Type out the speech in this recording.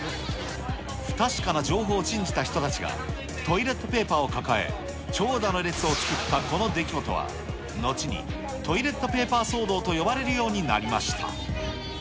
不確かな情報を信じた人たちが、トイレットペーパーを抱え、長蛇の列を作ったこの出来事は、後にトイレットペーパー騒動と呼ばれるようになりました。